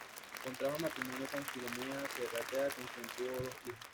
Contrajo matrimonio con Filomena Sarratea, con quien tuvo dos hijos.